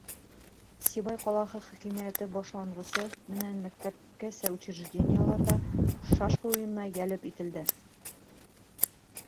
Сибай ҡалаһы хакимиәте башланғысы менән мәктәпкәсә учреждениелар ҙа шашка уйынына йәлеп ителде.